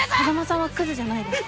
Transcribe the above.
硲さんはクズじゃないです。